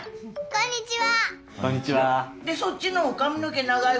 こんにちは。